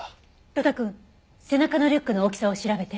呂太くん背中のリュックの大きさを調べて。